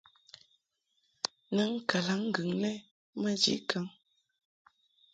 Nɨŋ kalaŋŋgɨŋ lɛ maji kaŋ.